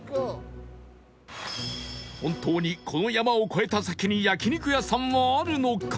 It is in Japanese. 本当にこの山を越えた先に焼肉屋さんはあるのか？